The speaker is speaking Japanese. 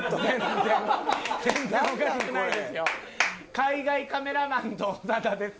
海外カメラマンと長田です。